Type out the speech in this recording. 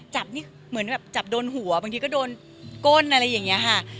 จับนี่เหมือนแบบจับโดนหัวบางทีก็โดนก้นอะไรอย่างนี้ค่ะ